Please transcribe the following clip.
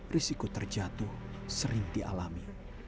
risiko terjatuh sering dialami